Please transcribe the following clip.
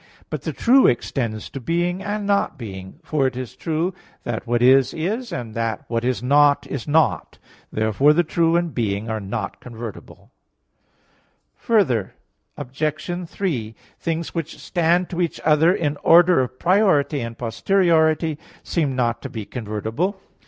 But the true extends to being and not being; for it is true that what is, is; and that what is not, is not. Therefore the true and being are not convertible. Obj. 3: Further, things which stand to each other in order of priority and posteriority seem not to be convertible.